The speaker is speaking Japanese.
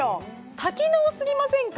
多機能すぎませんか？